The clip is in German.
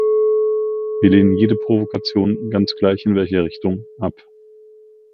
Wir lehnen jede Provokation, ganz gleich in welche Richtung, ab.